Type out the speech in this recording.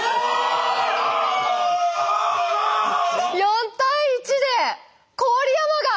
４対１で郡山が。